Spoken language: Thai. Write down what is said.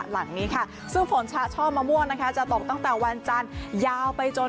หลังนี้ค่ะซึ่งฝนชะช่อมะม่วงนะคะจะตกตั้งแต่วันจันทร์ยาวไปจน